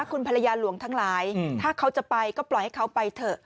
คุณภรรยาหลวงทั้งหลายถ้าเขาจะไปก็ปล่อยให้เขาไปเถอะ